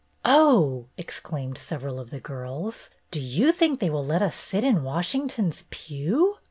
"Oh!" exclaimed several of the girls, "do you think they will let us sit in Washington's pew?"